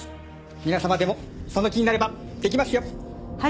皆様でもその気になればできますよ。